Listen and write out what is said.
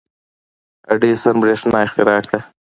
• اډېسن برېښنا اختراع کړه.